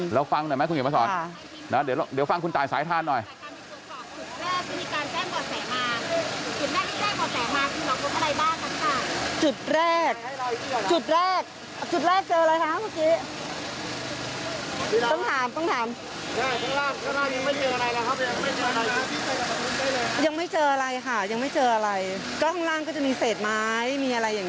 แล้วฟังหน่อยนะคะคุณเฮียพันธุ์ศอดฮะ